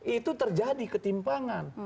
itu terjadi ketimpangan